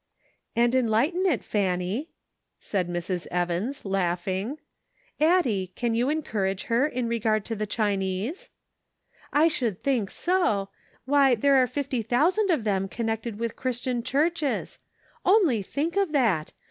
"And enlighten it, Fanny," said Mrs. Evans, laughing. "Addie, can you encourage her in regard to the Chinese ?"" I should think so ! Why, there are fifty thousand of them connected with Christian churches. Only think of that!